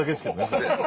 それ。